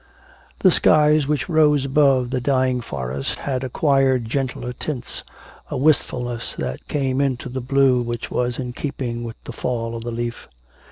The skies which rose above the dying forest had acquired gentler tints, a wistfulness had come into the blue which was in keeping with the fall of the leaf.